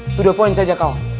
itu dua poin saja kau